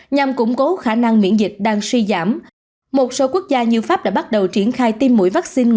nhằm củng cố khả năng miễn dịch đang suy giảm một số quốc gia như pháp đã bắt đầu triển khai